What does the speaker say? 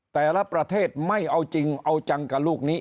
แต่ละประเทศไม่เอาจริงเอาจังกับลูกนี้